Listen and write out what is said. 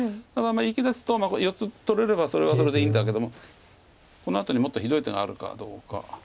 ただ生きですと４つ取れればそれはそれでいいんだけどもこのあとにもっとひどい手があるかどうか。